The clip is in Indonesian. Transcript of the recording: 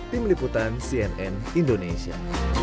tim liputan cnn indonesia